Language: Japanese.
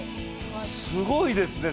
すごいですね。